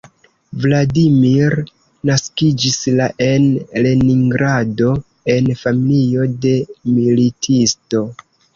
Vladimir naskiĝis la en Leningrado en familio de militisto.